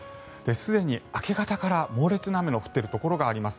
すでに明け方から猛烈な雨の降っているところがあります。